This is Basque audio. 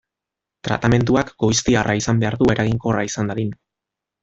Tratamenduak goiztiarra izan behar du eraginkorra izan dadin.